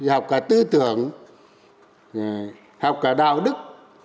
học cả tư tưởng học cả đạo đức